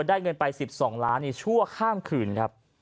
ได้เงินไป๑๒ล้านชั่วข้ามคืนครับ